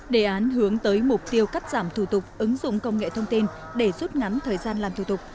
đề án hướng tới mục tiêu cắt giảm thủ tục ứng dụng công nghệ thông tin để rút ngắn thời gian làm thủ tục